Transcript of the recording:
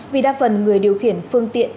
vì đa phần người điều khiển phương tiện